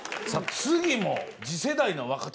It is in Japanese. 次も次世代の若手